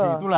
di situ lah